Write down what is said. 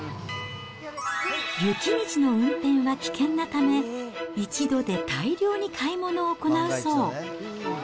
雪道の運転は危険なため、一度で大量に買い物を行うそう。